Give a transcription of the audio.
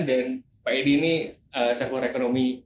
dan pak edi ini sirkular ekonomi